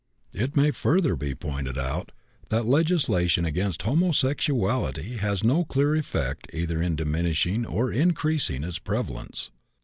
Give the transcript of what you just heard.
It may further be pointed out that legislation against homosexuality has no clear effect either in diminishing or increasing its prevalence.